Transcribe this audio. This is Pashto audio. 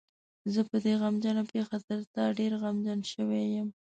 زه په دې غمجنه پېښه تر تا ډېر غمجن شوی یم.